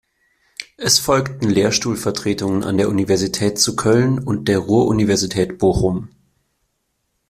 Es folgten Lehrstuhlvertretungen an der Universität zu Köln und der Ruhr-Universität Bochum.